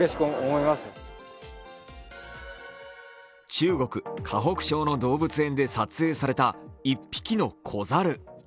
中国・河北省の動物園で撮影された１匹の子猿。